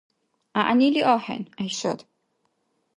- ГӀягӀнили axӀeн, ГӀяйшат